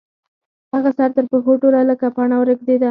هغه سر تر پښو ټوله لکه پاڼه رېږدېده.